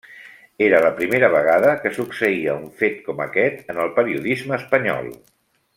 Era la primera vegada que succeïa un fet com aquest en el periodisme espanyol.